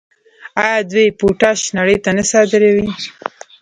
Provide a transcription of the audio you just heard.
آیا دوی پوټاش نړۍ ته نه صادروي؟